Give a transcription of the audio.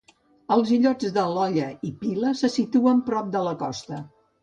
Els illots de l'Olla i Pila se situen prop la costa.